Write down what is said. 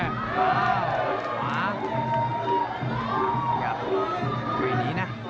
อย่าไว้หนีนะ